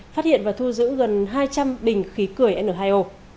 phát hiện và thu giữ gần hai trăm linh bình khí cười n hai o